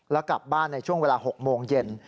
แล้วกลับบ้านในช่วงเวลา๖โมงเย็น